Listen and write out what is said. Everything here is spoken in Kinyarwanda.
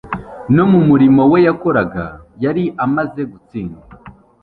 No mu murimo we yakoraga yari amaze gutsindwa;